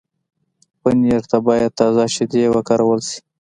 پنېر ته باید تازه شیدې وکارول شي.